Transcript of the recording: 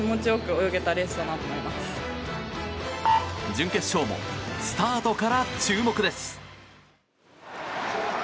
準決勝もスタートから注目です。